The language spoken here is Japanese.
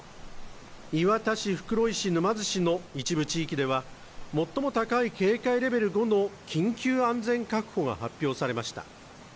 磐田市、袋井市、沼津市の一部地域では最も高い警戒レベル５の緊急安全確保が発表されました。